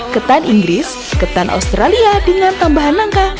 ketan inggris ketan australia dengan tambahan langka